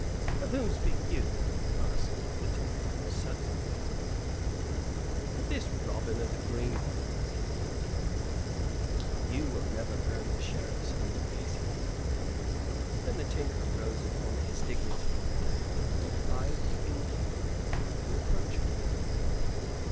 "Of whom speak you?" asked the tinker, suddenly waking up. "Of this Robin of the Greenwood," said the innkeeper, "but you will never earn the Sheriff's hundred pieces!" Then the tinker arose upon his dignity, and eyed the innkeeper reproachfully.